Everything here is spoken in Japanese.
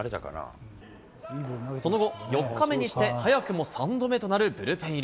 その後、４日目にして早くも３度目となるブルペン入り。